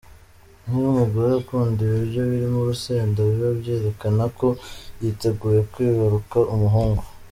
Niba umugore akunda ibiryo birimo urusenda biba byerekana ko yiteguye kwibaruka umuhungu.